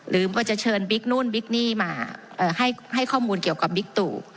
ลืมว่าจะเชินนนบิกนู้นบิกนี่มาเอ่อให้ให้ข้อมูลเกี่ยวกับบิกตุ